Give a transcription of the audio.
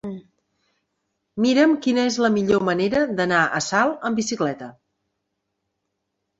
Mira'm quina és la millor manera d'anar a Salt amb bicicleta.